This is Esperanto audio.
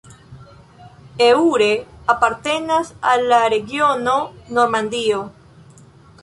Eure apartenas al la regiono Normandio.